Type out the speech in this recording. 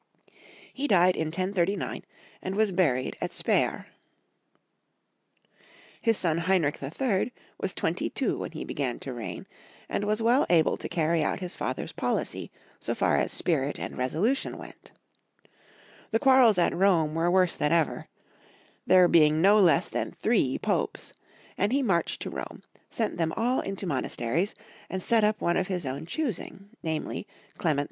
He died in 1039, and was buried at Speyer. His son Hemrich III. was twenty two when he began to reign, and was well able to carry out liis father's policy, so far as spirit and resolution went. 106 Young Folks^ History of Germany. The quarrels at Rome were worse than ever, there being no less than three Popes, and he marched to Rome, sent them all into monasteries, and set up one of his own choosing, namely, Clement II.